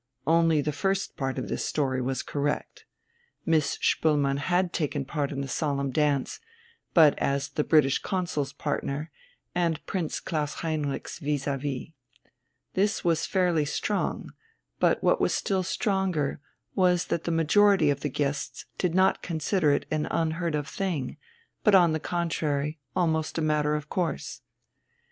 Only the first part of this story was correct. Miss Spoelmann had taken part in the solemn dance, but as the British Consul's partner and Prince Klaus Heinrich's vis à vis. This was fairly strong, but what was still stronger was that the majority of the guests did not consider it an unheard of thing, but on the contrary almost a matter of course.